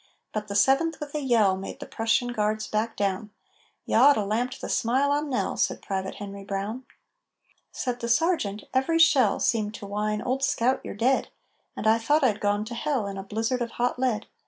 But the 7th with a yell Made the Prussian Guards back down." "You oughta lamped the smile on Nell!" Said Private Henry Brown. Said the Sergeant: "Every shell Seemed to whine, 'Old scout, you're dead!' And I thought I'd gone to hell In a blizzard of hot lead.